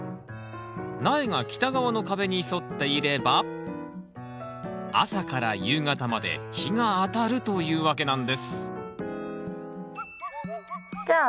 苗が北側の壁に沿っていれば朝から夕方まで日が当たるというわけなんですじゃあ